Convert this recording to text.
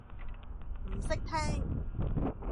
唔識聽